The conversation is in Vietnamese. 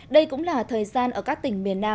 đây cũng là thời gian